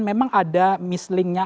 memang ada mislingnya